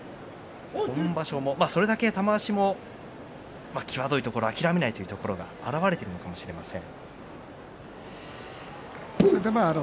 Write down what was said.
それだけ玉鷲も際どいところ諦めないというところが表れているのかもしれません。